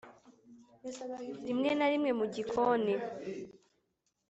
rimwe na rimwe mu gikoni